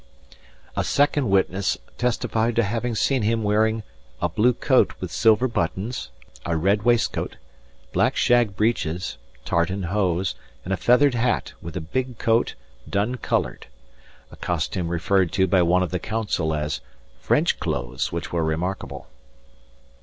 A second witness testified to having seen him wearing "a blue coat with silver buttons, a red waistcoat, black shag breeches, tartan hose, and a feathered hat, with a big coat, dun coloured," a costume referred to by one of the counsel as "French cloathes which were remarkable."